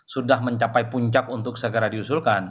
sudah mencapai puncak untuk segera diusulkan